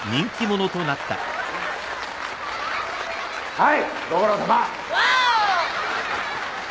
はい。